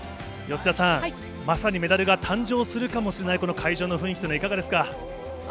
吉田さん、まさにメダルが誕生するかもしれない、この会場の雰囲気というのはいかがですか？